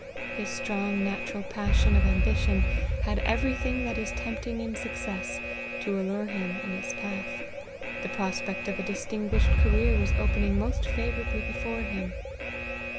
His strong natural passion of ambition had every thing that is tempting in success, to allure him in its path : the prospect of a distinguished career was opening most favourably before him.